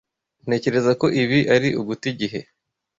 Ntekereza ko ibi ari uguta igihe.